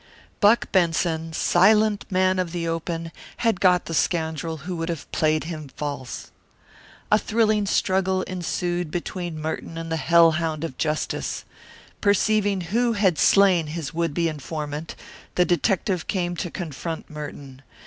Buck Benson, silent man of the open, had got the scoundrel who would have played him false. A thrilling struggle ensued between Merton and the hellhound of justice. Perceiving who had slain his would be informant, the detective came to confront Merton.